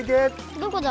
どこだ？